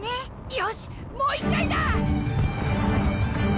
よしもう一回だ！